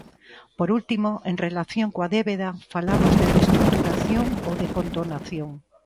Por último, en relación coa débeda, falamos de reestruturación ou de condonación.